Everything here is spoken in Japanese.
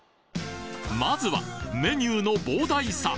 まずはメニューの膨大さ！